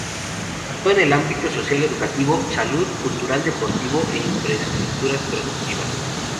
Actúa en el ámbito social-educativo, salud, cultural-deportivo e infraestructuras productivas.